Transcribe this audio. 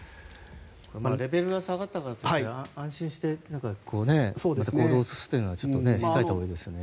レベルが下がったからといって安心して行動するっていうのは控えたほうがいいですよね。